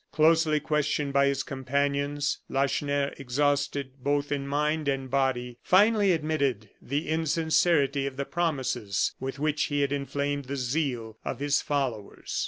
Closely questioned by his companions, Lacheneur, exhausted both in mind and body, finally admitted the insincerity of the promises with which he had inflamed the zeal of his followers.